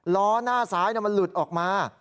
ล้อหน้าซ้ายมันหลุดออกมา